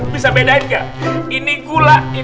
bisa bedain nggak ini gula ini garam